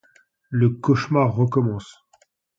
Le cauchemar recommence.